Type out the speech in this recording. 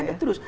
iya ada terus